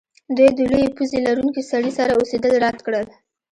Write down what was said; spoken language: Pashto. دوی د لویې پوزې لرونکي سړي سره اوسیدل رد کړل